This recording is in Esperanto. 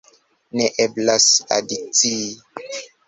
Ne eblas adicii.